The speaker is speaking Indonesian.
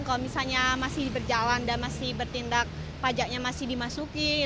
kalau misalnya masih berjalan dan masih bertindak pajaknya masih dimasuki